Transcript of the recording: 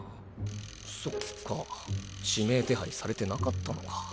そっか指名手配されてなかったのかぁ。